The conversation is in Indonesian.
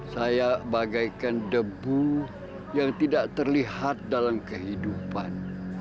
saya bagaikan debu yang tidak terlihat dalam kehidupan